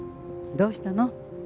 どうしたの？